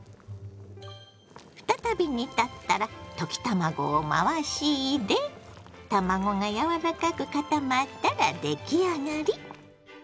再び煮立ったら溶き卵を回し入れ卵が柔らかく固まったら出来上がり！